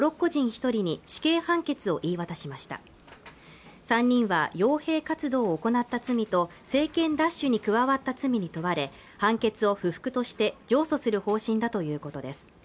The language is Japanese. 一人に死刑判決を言い渡しました３人は傭兵活動を行った罪と政権奪取に加わった罪に問われ判決を不服として上訴する方針だということです